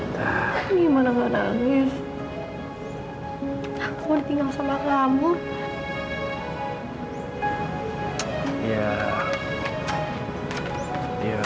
sampai jumpa di video selanjutnya